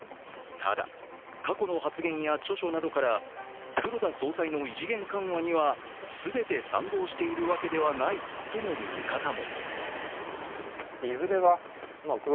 ただ、過去の発言や著書などから黒田総裁の異次元緩和には全て賛同しているわけではないとの見方も。